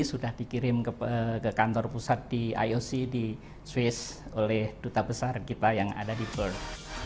sudah dikirim ke kantor pusat di ioc di swiss oleh duta besar kita yang ada di bern